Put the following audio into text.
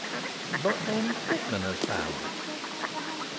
But then Pitman has found it.